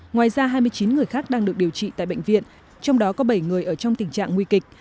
ngoài ra hai mươi chín người khác đang được điều trị tại bệnh viện trong đó có bảy người ở trong tình trạng nguy kịch